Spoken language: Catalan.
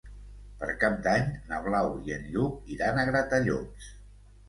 Per Cap d'Any na Blau i en Lluc iran a Gratallops.